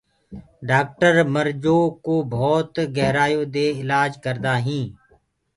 ڊآڪٿر مرجو ڪو ڀوت گهرآيو دي اِلآج ڪردآ هينٚ۔